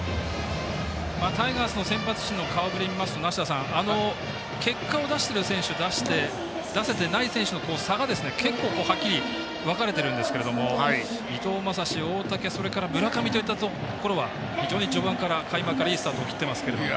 タイガースの先発陣の顔ぶれを見ますと結果を出している選手出せてない選手の差が結構はっきり分かれてるんですけど伊藤将司、大竹、それから村上といったところは非常に序盤から開幕からいいスタートを切っていますね。